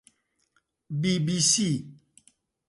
بی بی سی